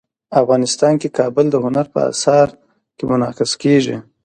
افغانستان کې کابل د هنر په اثار کې منعکس کېږي.